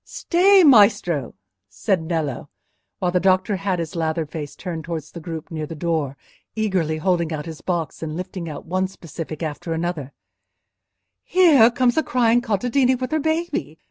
"Stay, Maestro," said Nello, while the doctor had his lathered face turned towards the group near the door, eagerly holding out his box, and lifting out one specific after another; "here comes a crying contadina with her baby.